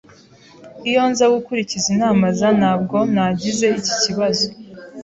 Iyo nza gukurikiza inama za , ntabwo nagize iki kibazo.